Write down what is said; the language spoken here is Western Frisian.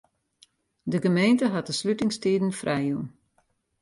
De gemeente hat de slutingstiden frijjûn.